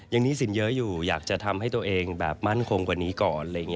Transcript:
หนี้สินเยอะอยู่อยากจะทำให้ตัวเองแบบมั่นคงกว่านี้ก่อนอะไรอย่างนี้